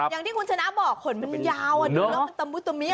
อย่างที่คุณชนะบอกขนมันยาวดูแล้วมันตะมุตมิ